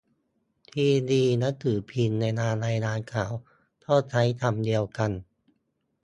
ทีวีหนังสือพิมพ์เวลารายงานข่าวก็ใช้คำเดียวกัน